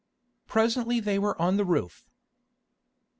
Presently they were on the roof.